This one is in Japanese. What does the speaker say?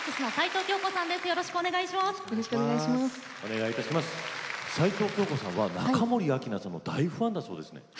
齊藤京子さんは中森明菜さんの大ファンだそうですね。